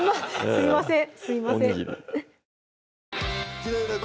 すいません